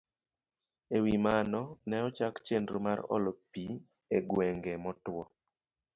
E wi mano, ne ochak chenro mar olo pi e gwenge motwo